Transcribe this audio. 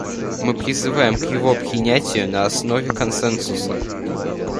Мы призываем к его принятию на основе консенсуса.